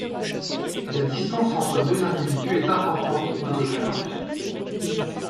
La distance entre deux individus est importante dans le flirt.